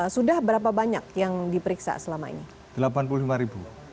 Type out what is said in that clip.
sudah berapa banyak yang diperiksa selama ini